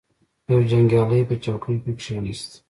یو جنګیالی په چوکۍ کښیناست.